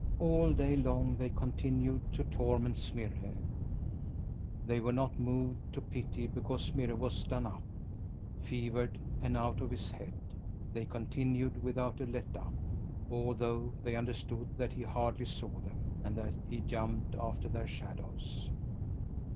All day long they continued to torment Smirre. They were not moved to pity because Smirre was done up, fevered, and out of his head. They continued without a let up, although they understood that he hardly saw them, and that he jumped after their shadows.